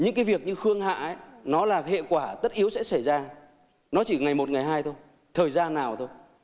những cái việc như khương hạ nó là hệ quả tất yếu sẽ xảy ra nó chỉ ngày một ngày hai thôi thời gian nào thôi